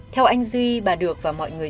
theo anh duy bà được và mọi người